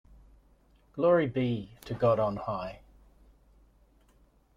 Glory be to God on high.